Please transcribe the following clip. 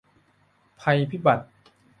ภัยพิบัติ